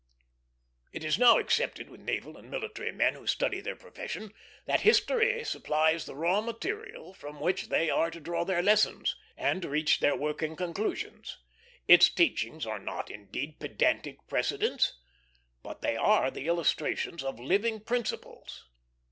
It is now accepted with naval and military men who study their profession, that history supplies the raw material from which they are to draw their lessons, and reach their working conclusions. Its teachings are not, indeed, pedantic precedents; but they are the illustrations of living principles.